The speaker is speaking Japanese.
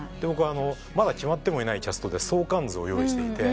まだ決まってもいないキャストで相関図を用意していて。